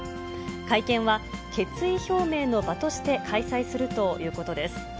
会見は決意表明の場として開催するということです。